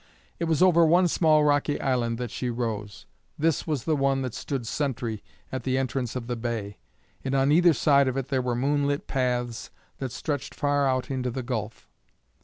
It was over one small rocky island that she rose; this was the one that stood sentry at the entrance of the bay, and on either side of it there were moon lit paths that stretched far out into the gulf.